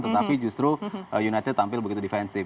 tetapi justru united tampil begitu defensif